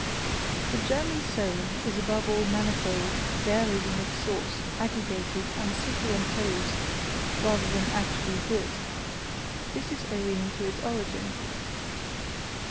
The German soul is above all manifold, varied in its source, aggregated and super imposed, rather than actually built: this is owing to its origin.